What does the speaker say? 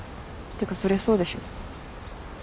てかそりゃそうでしょ。